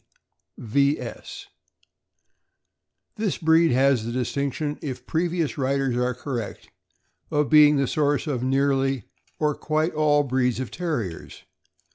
D., V. S. >HIS breed has the distinction, if previous writers are correct, of being the source of nearly or quite all breeds of Terriers.